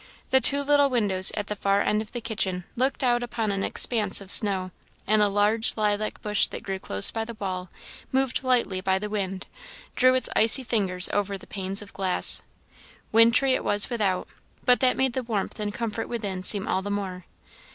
The two little windows at the far end of the kitchen looked out upon an expanse of snow; and the large lilac bush that grew close by the wall, moved lightly by the wind, drew its icy fingers over the panes of glass. Wintry it was without, but that made the warmth and comfort within seem all the more.